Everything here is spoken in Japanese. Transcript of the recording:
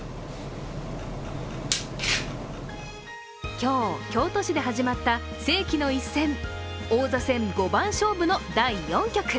今日、京都市で始まった世紀の一戦王座戦五番勝負の第４局。